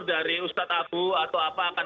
dari ustadz abu atau apa akan